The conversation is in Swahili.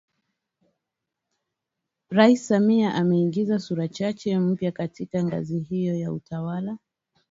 Rais Samia ameingiza sura chache mpya katika ngazi hiyo ya utawala